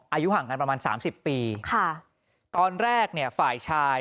อายุห่างกันประมาณสามสิบปีค่ะตอนแรกเนี่ยฝ่ายชาย